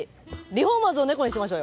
リフォーマーズのネコにしましょうよ！